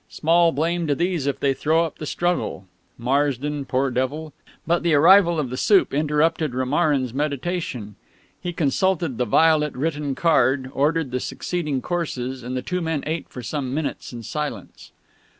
Small blame to these if they throw up the struggle. Marsden, poor devil ... but the arrival of the soup interrupted Romarin's meditation. He consulted the violet written card, ordered the succeeding courses, and the two men ate for some minutes in silence.